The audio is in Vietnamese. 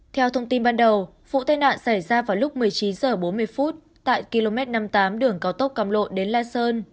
theo thông tin ban đầu vụ tai nạn xảy ra vào lúc một mươi chín h bốn mươi tại km năm mươi tám đường cao tốc cam lộ đến la sơn